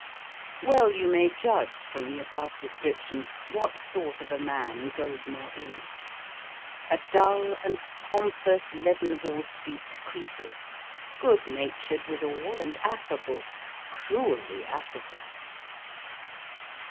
Well, you may judge, from the above description, what sort of a man Goldmore is. A dull and pompous Leadenhall Street Croesus, good natured withal, and affable cruelly affable.